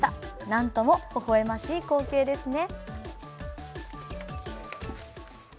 なんともほほえましい光景ですね。